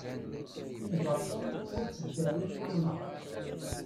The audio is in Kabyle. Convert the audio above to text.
i lbaṭel ur tteddarin amnaṛ